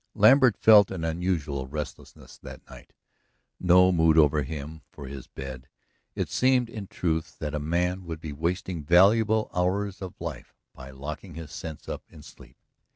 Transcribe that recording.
Lambert felt an unusual restlessness that night no mood over him for his bed. It seemed, in truth, that a man would be wasting valuable hours of life by locking his senses up in sleep.